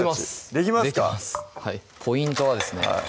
できますポイントはですね